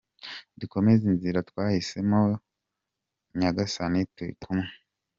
Dukomeze inzira twahise mo, Nyagasani turi kumwe.